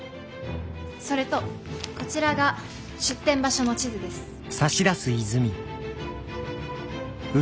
それとこちらが出店場所の地図です。